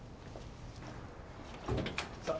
さあ。